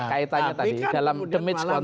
kaitannya tadi dalam damage